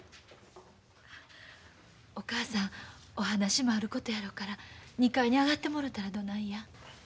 お母さんお話もあることやろから２階に上がってもろたらどないや。